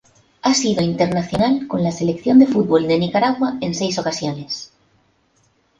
Ha sido internacional con la Selección de fútbol de Nicaragua en seis ocasiones.